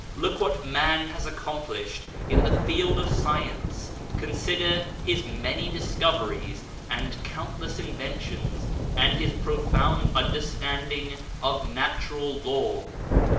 Look what man has accomplished in the field of science, consider his many discoveries and countless inventions and his profound understanding of Natural Law.